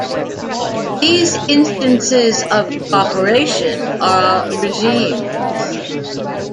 These instances of cooperation are regimes.